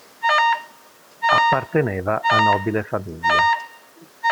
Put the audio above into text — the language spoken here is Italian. Apparteneva a nobile famiglia.